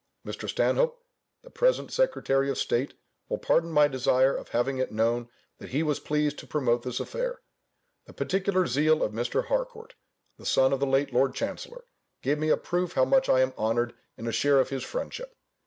Mr. Stanhope, the present secretary of state, will pardon my desire of having it known that he was pleased to promote this affair. The particular zeal of Mr. Harcourt (the son of the late Lord Chancellor) gave me a proof how much I am honoured in a share of his friendship.